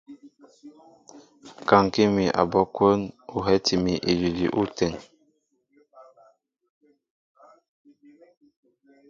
Kaŋkí mi abɔ́ kwón ú hɛ́ti mi idʉdʉ ôteŋ.